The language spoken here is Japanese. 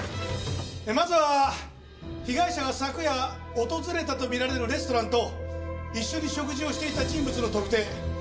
まずは被害者が昨夜訪れたと見られるレストランと一緒に食事をしていた人物の特定。